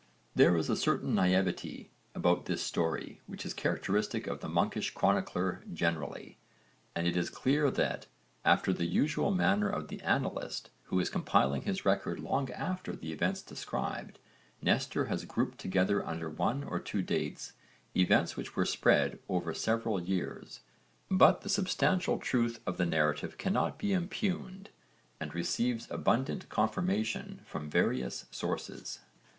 There is a certain naiveté about this story which is characteristic of the monkish chronicler generally, and it is clear that, after the usual manner of the annalist who is compiling his record long after the events described, Nestor has grouped together under one or two dates events which were spread over several years, but the substantial truth of the narrative cannot be impugned and receives abundant confirmation from various sources.